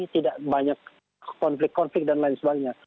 tidak banyak konflik konflik dan lain sebagainya